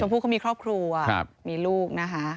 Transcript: จมพูเขามีครอบครูมีลูกนะคะ